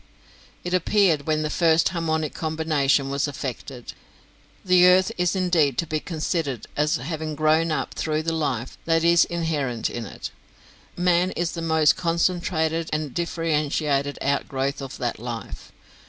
It appeared when the first harmonic combination was effected. The earth is indeed to be considered as having grown up through the life that is inherent in it. Man is the most concentrated and differentiated outgrowth of that life.